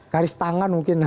karis tangan mungkin ya